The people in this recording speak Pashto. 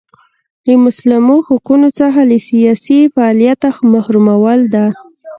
له مسلمو حقونو څخه له سیاسي فعالیته محرومول ده.